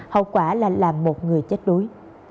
hậu quả là làm một người chết đuối